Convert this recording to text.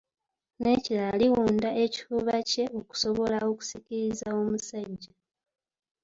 Nekirala liwunda ekifuba kye okusobola okusikiriza omusajja.